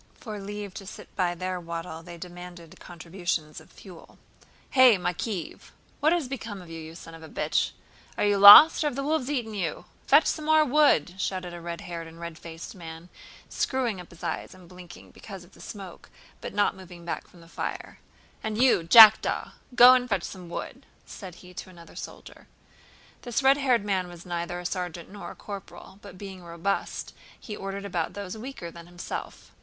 For leave to sit by their wattle they demanded contributions of fuel. "Eh, Makéev! What has become of you, you son of a bitch? Are you lost or have the wolves eaten you? Fetch some more wood!" shouted a red haired and red faced man, screwing up his eyes and blinking because of the smoke but not moving back from the fire. "And you, Jackdaw, go and fetch some wood!" said he to another soldier. This red haired man was neither a sergeant nor a corporal, but being robust he ordered about those weaker than himself.